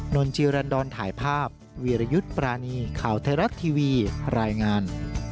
นนจิรันดรถ่ายภาพวีรยุทธ์ปรานีข่าวไทยรัฐทีวีรายงาน